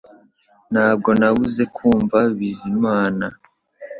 Ntabwo nabuze kumva Bizimana